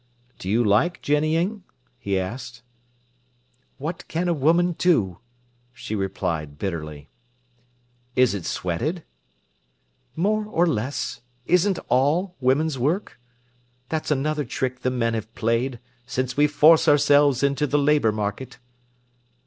"Do you like jennying?" he asked. "What can a woman do!" she replied bitterly. "Is it sweated?" "More or less. Isn't all woman's work? That's another trick the men have played, since we force ourselves into the labour market."